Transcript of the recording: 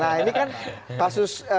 nah ini kan kasus